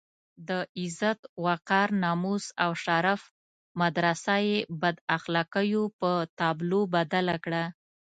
د عزت، وقار، ناموس او شرف مدرسه یې بد اخلاقيو په تابلو بدله کړه.